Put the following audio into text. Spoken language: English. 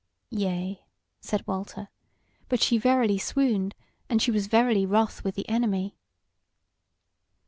"Yea," said Walter, "but she verily swooned, and she was verily wroth with the Enemy."